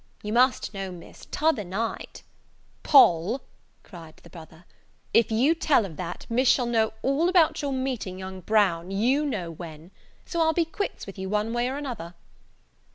You must know, Miss, t'other night " "Poll," cried the brother, "if you tell of that, Miss shall know all about your meeting young Brown, you know when! So I'll be quits with you one way or other."